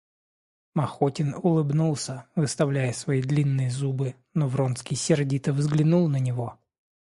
Махотин улыбнулся, выставляя свои длинные зубы, но Вронский сердито взглянул на него.